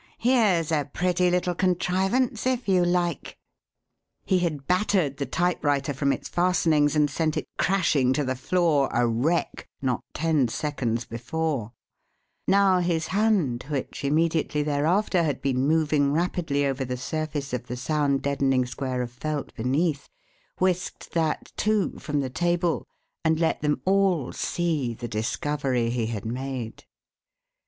Here's a pretty little contrivance, if you like." He had battered the typewriter from its fastenings and sent it crashing to the floor, a wreck, not ten seconds before; now, his hand, which, immediately thereafter, had been moving rapidly over the surface of the sound deadening square of felt beneath, whisked that, too, from the table, and let them all see the discovery he had made.